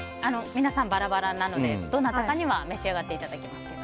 皆さんバラバラなのでどなたかには召し上がっていただけますけど。